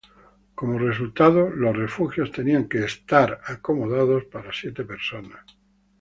Como resultado, los refugios tenían que ser acomodados para siete personas.